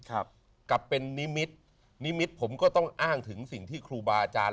กลับเป็นนิมิตรนิมิตผมก็ต้องอ้างถึงสิ่งที่ครูบาอาจารย์